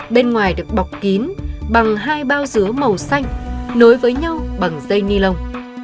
bên ngoài được bọc kín bằng hai bao dứa màu xanh nối với nhau bằng dây ni lông